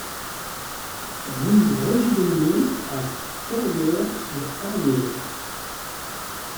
Rue Roger Deumié à Ferrières-sur-Ariège